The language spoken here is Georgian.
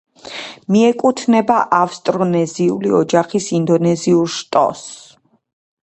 მიეკუთვნება ავსტრონეზიული ოჯახის ინდონეზიურ შტოს.